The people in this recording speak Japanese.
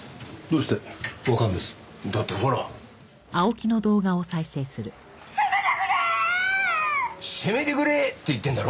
「しぇめでくれー」って言ってるだろ？